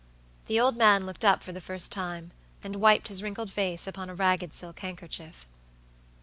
The old man looked up for the first time, and wiped his wrinkled face upon a ragged silk handkerchief.